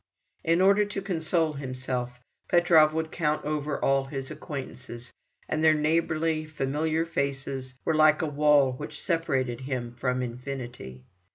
In order to console himself, Petrov would count over all his acquaintances; and their neighbourly familiar faces were like a wall which separated him from infinity.